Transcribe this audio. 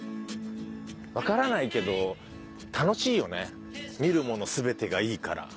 わからないけど楽しいよね見るもの全てがいいから。